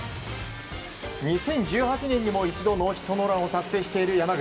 ２０１８年にも一度ノーヒットノーランを達成している山口。